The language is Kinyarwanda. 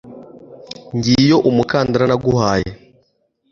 ngiyo umukandara naguhaye